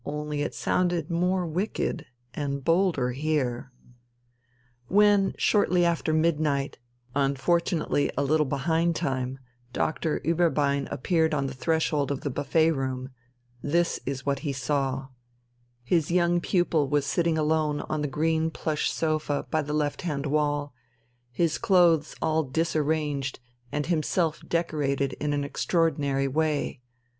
only it sounded more wicked and bolder here.... When shortly after midnight, unfortunately a little behind time, Doctor Ueberbein appeared on the threshold of the buffet room, this is what he saw: His young pupil was sitting alone on the green plush sofa by the left hand wall, his clothes all disarranged and himself decorated in an extraordinary way.